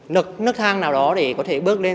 nước thang nào đó để có thể bước lên